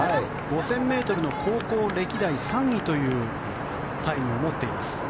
５０００ｍの高校歴代３位のタイムを持っています。